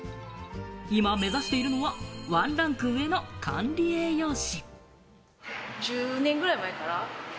今、目指しているのはワンランク上の管理栄養士。